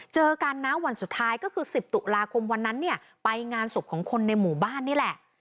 เจอกันนะวันสุดท้ายก็คือ๑๐ตุลาคมวันนั้นเนี่ยไปงานศพของคนในหมู่บ้านนี่แหละ